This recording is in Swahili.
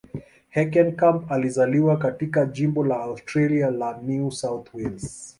Heckenkamp alizaliwa katika jimbo la Australia la New South Wales.